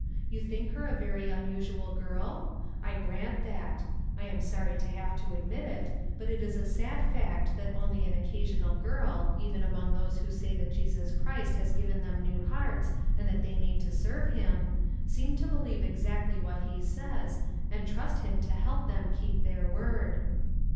You think her a very unusual girl ? I grant that. I 33 6 MAG'S WAGES am sorry to have to admit it, but it is a sad fact that only an occasional girl, even among those who say that Jesus Christ has given them new hearts and that they mean to serve him, seem to believe exactly what he says, and trust him to help them keep their word.